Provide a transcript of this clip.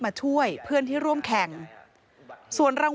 มันมีโอกาสเกิดอุบัติเหตุได้นะครับ